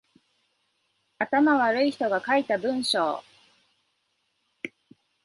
頭悪い人が書いた文章